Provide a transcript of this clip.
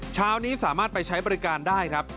เช้านี้สามารถไปใช้บริการได้ครับ